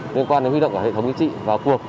liên quan đến huy động hệ thống chính trị và cuộc